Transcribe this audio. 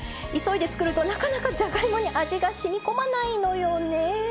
急いで作るとなかなか、じゃがいもに味がしみこまないのよね。